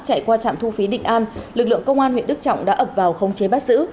chạy qua trạm thu phí định an lực lượng công an huyện đức trọng đã ập vào khống chế bắt giữ